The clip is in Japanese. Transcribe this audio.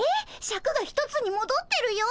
シャクが一つにもどってるよ。